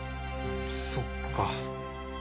そっか。